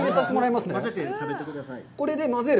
まぜて食べてください。